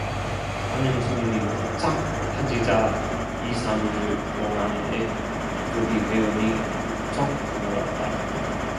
하는 소문이 쫙 퍼지자 이삼 일 동안에 조기회원이 부쩍 늘었다.